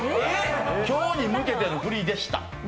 今日に向けてのフリでした。